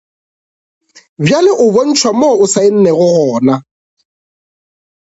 Bjale o bontšhwa mo a saennego gona.